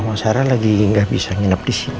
oma sarah lagi gak bisa nginep disini